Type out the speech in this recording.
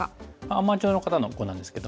アマチュアの方の碁なんですけども。